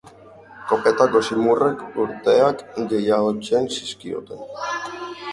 Kopetako zimurrek urteak gehiagotzen zizkioten.